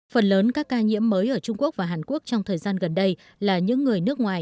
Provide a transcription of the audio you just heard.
phần lớn các ca nhiễm mới ở trung quốc và hàn quốc trong thời gian gần đây là những người nước ngoài